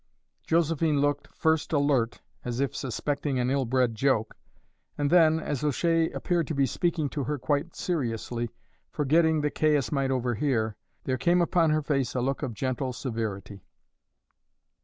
Josephine looked, first alert, as if suspecting an ill bred joke, and then, as O'Shea appeared to be speaking to her quite seriously, forgetting that Caius might overhear, there came upon her face a look of gentle severity.